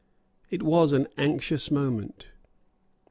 It was an anxious moment.